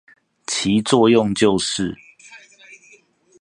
其作用就是